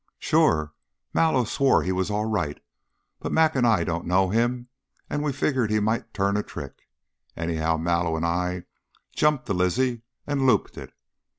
"Sure! Mallow swore he was all right, but Mac and I don't know him, and we figured he might turn a trick. Anyhow, Mallow and I jumped the Lizzie and looped it.